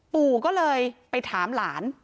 ปู่ก็เลยไปถามหลาน